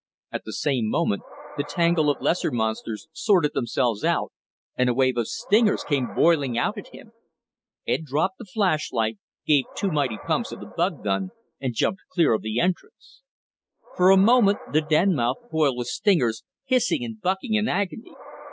At the same moment, the tangle of lesser monsters sorted themselves out and a wave of stingers came boiling out at him. Ed dropped the flashlight, gave two mighty pumps of the bug gun, and jumped clear of the entrance. For a moment, the den mouth boiled with stingers, hissing and bucking in agony.